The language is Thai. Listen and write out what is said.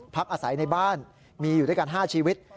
พักอาศัยในบ้านมีอยู่ด้วยกัน๕ชีวิต